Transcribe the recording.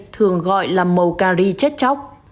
thường gọi là màu cary chết chóc